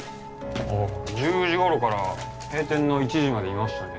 ああ１０時頃から閉店の１時までいましたね